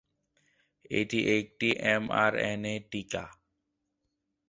এটি একটি এমআরএনএ টিকা।